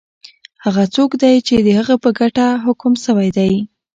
هغه څوک دی چی د هغه په ګټه حکم سوی وی؟